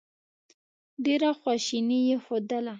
ډېره خواشیني یې ښودله.